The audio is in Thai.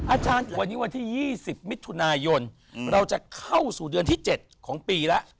อาจารย์วันนี้วันที่๒๐มิถุนายนเราจะเข้าสู่เดือนที่๗ของปีแล้ว